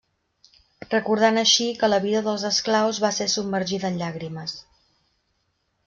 Recordant així que la vida dels esclaus va ser submergida en llàgrimes.